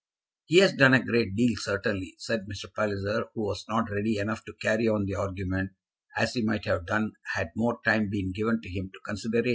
"He has done a great deal, certainly," said Mr. Palliser, who was not ready enough to carry on the argument as he might have done had more time been given to him to consider it.